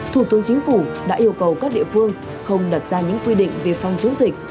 thủ tướng chính phủ đã yêu cầu các địa phương không đặt ra những quy định về phòng chống dịch